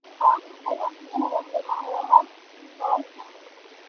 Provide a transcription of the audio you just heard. ქალაქი დღესაც იგივე მდებარეობას ინარჩუნებს.